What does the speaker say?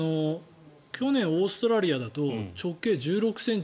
去年、オーストラリアだと直径１６ｃｍとか。